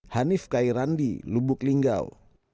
hanif kairandi lubuk linggau